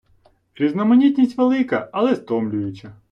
Різноманітність велика, але стомлююча.